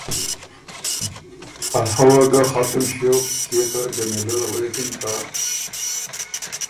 افۀ وه ګۀ ختُم ݭیوک کيې که جمیلۀ ل غوېکِن که